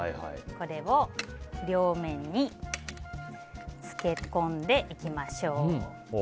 これを両面につけ込んでいきましょう。